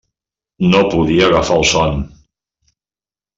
No podia agafar el son.